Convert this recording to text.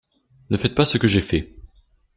Ne faites pas ce que j'ai fait!